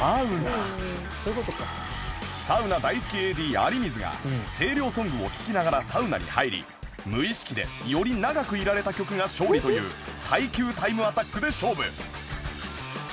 サウナ大好き ＡＤ 有水が清涼ソングを聴きながらサウナに入り無意識でより長くいられた曲が勝利という耐久タイムアタックで勝負